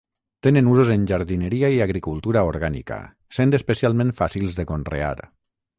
Tenen usos en jardineria i agricultura orgànica, sent especialment fàcils de conrear.